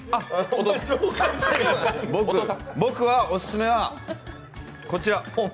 僕は、オススメはこちら。